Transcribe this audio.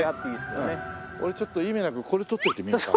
俺ちょっと意味なくこれ撮っておいてみるか。